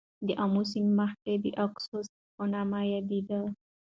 د آمو سیند مخکې د آکوسس په نوم یادیده.